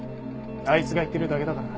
あいつが言ってるだけだから。